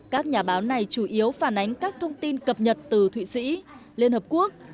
các nhà báo này chủ yếu phản ánh các thông tin cập nhật từ thụy sĩ liên hợp quốc